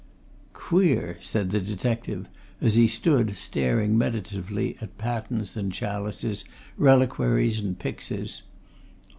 "Queer!" said the detective, as he stood staring meditatively at patens and chalices, reliquaries and pyxes.